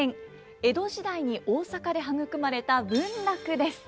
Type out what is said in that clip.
江戸時代に大阪で育まれた文楽です。